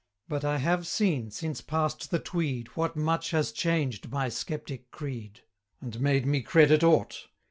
But I have seen, since past the Tweed, What much has changed my sceptic creed, 375 And made me credit aught.'